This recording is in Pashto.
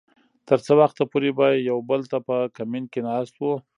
تر څه وخته پورې به يو بل ته په کمين کې ناست وو .